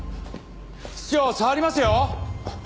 室長触りますよ。